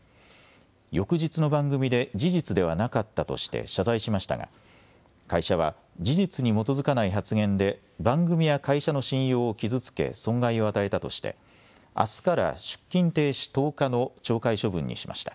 翌日の番組で事実ではなかったとして謝罪しましたが会社は事実に基づかない発言で番組や会社の信用を傷つけ損害を与えたとして、あすから出勤停止１０日の懲戒処分にしました。